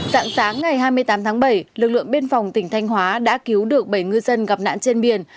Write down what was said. dạng sáng ngày hai mươi tám tháng bảy lực lượng biên phòng tỉnh thanh hóa đã cứu được bảy ngư dân gặp nạn trên biển